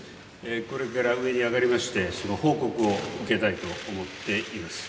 これから上に上がりまして、その報告を受けたいと思っています。